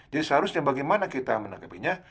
jadi seharusnya bagaimana kita menanggapinya